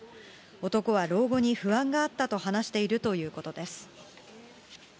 男は老後に不安があったと話しているということです。